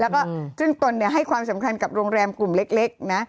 แล้วก็จึงตนเนี่ยให้ความสำคัญกับโรงแรมกลุ่มเล็กเล็กนะ